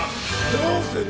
どうする？